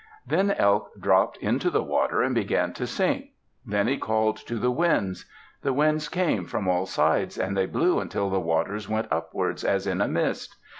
Then Elk dropped into the water and began to sink. Then he called to the winds. The winds came from all sides and they blew until the waters went upwards, as in a mist.